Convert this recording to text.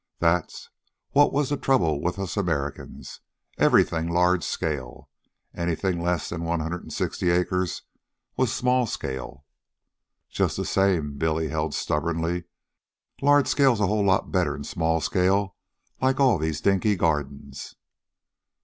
That's what was the trouble with all us Americans. Everything large scale. Anything less than one hundred and sixty acres was small scale." "Just the same," Billy held stubbornly, "large scale's a whole lot better'n small scale like all these dinky gardens."